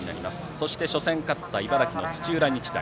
そして初戦に勝った茨城・土浦日大。